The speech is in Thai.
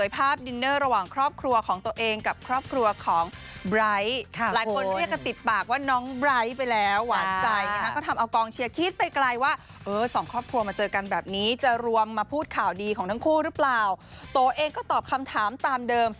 เพราะรูปรักษ์ภายนอกแค่นั้นเองครับผม